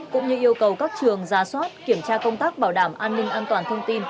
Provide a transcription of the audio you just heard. cũng như yêu cầu các trường giả soát kiểm tra công tác bảo đảm an ninh an toàn thông tin